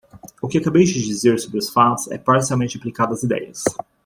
O que acabei de dizer sobre os fatos é parcialmente aplicado às idéias.